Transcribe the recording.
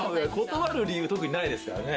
断る理由特にないですからね。